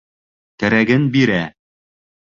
Кәрәген бирә.